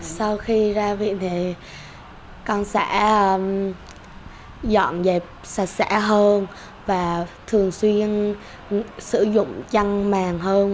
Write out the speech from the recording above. sau khi ra viện thì con sẽ dọn dẹp sạch sẽ hơn và thường xuyên sử dụng chăn màng hơn